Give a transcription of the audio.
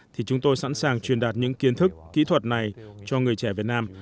thì chúng tôi sẵn sàng truyền đạt những kiến thức kỹ thuật này cho người trẻ việt nam